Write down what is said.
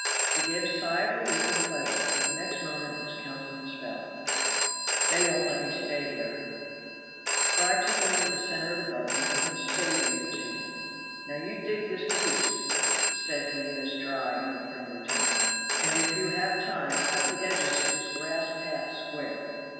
He gave a sigh of relief and pleasure, but the next moment his countenance fell. "They won't let me stay here!" Fry took him into the center of the garden, and put a spade into his hand. "Now you dig this piece," said he in his dry, unfriendly tone, "and if you have time cut the edges of this grass path square."